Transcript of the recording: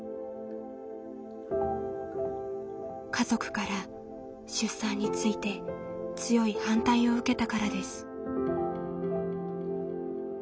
家族から出産について強い反対を受けたからです。